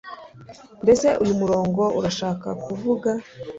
mbese uyu murongo urashaka kuvuga